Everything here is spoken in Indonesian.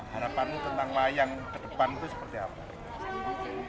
harapanmu tentang wayang kedepan itu seperti apa